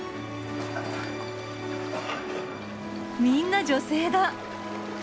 みんな女性だ。